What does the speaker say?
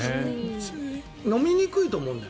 飲みにくいと思うんだよ。